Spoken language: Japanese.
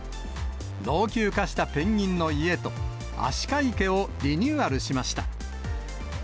老朽化したペンギンの家とアシカ池をリニューアルしました。